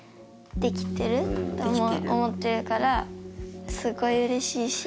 できてる。と思ってるからすごいうれしいし。